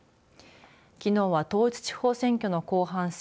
きのうは統一地方選挙の後半戦。